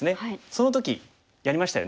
その時やりましたよね。